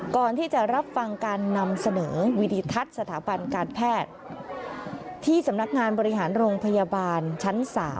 ก่อนที่จะรับฟังการนำเสนอวิธีทัศน์สถาบันการแพทย์ที่สำนักงานบริหารโรงพยาบาลชั้น๓